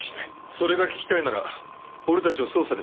それが聞きたいなら俺たちを捜査に参加させろ。